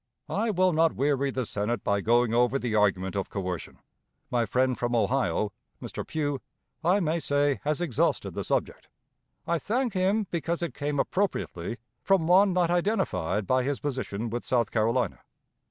I will not weary the Senate by going over the argument of coercion. My friend from Ohio [Mr. Pugh], I may say, has exhausted the subject. I thank him, because it came appropriately from one not identified by his position with South Carolina.